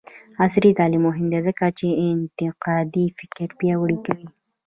عصري تعلیم مهم دی ځکه چې انتقادي فکر پیاوړی کوي.